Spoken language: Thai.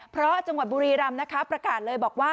เพราะจังหวัดบุรีรำนะคะประกาศเลยบอกว่า